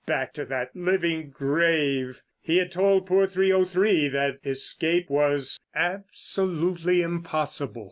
Back to that living grave! He had told poor 303 that escape was absolutely impossible.